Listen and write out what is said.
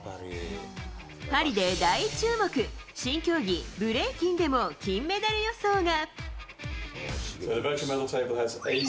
パリで大注目、新競技、ブレイキンでも金メダル予想が。